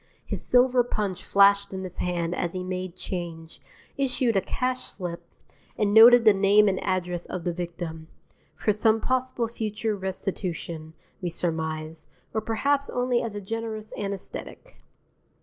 His silver punch flashed in his hand as he made change, issued a cash slip, and noted the name and address of the victim, for some possible future restitution, we surmised, or perhaps only as a generous anæsthetic.